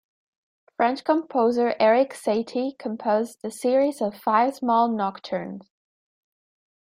French composer Erik Satie composed a series of five small nocturnes.